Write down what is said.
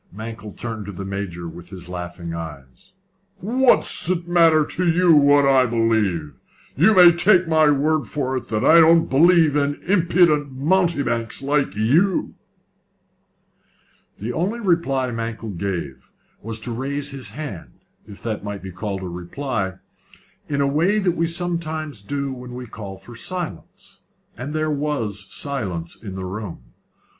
Mankell turned to the Major with his laughing eyes. "What's it matter to you what I believe? You may take my word for it that I don't believe in impudent mountebanks like you." The only reply Mankell gave was to raise his hand if that might be called a reply in the way we sometimes do when we call for silence, and there was silence in the room.